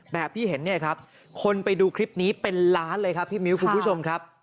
แบบที่เห็นเนี่ยครับคนไปดูคลิปนี้เป็นล้านเลยครับพี่มิ้วคุณผู้ชมครับ